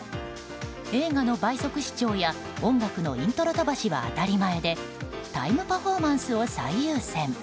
映画の倍速視聴や、音楽のイントロ飛ばしは当たり前でタイムパフォーマンスを最優先。